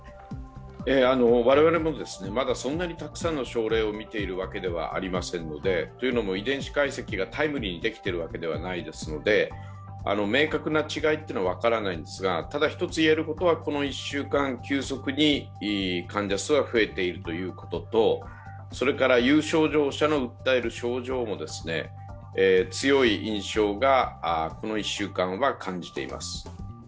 我々もまだそんなにたくさんの症例を診ているわけではありませんので、というのも遺伝子解析がタイムリーにできているわけではありませんので明確な違いというのは分からないんですが、ただ一つ言えることはこの１週間、急速に患者数が増えていることと、それから有症状者が訴える症状も強い印象がこの１週間は感じています。